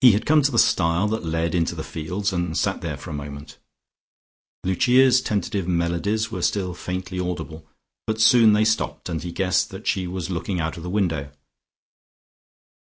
He had come to the stile that led into the fields, and sat there for a moment. Lucia's tentative melodies were still faintly audible, but soon they stopped, and he guessed that she was looking out of the window.